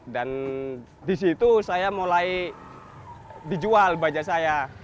dan di situ saya mulai dijual bajai saya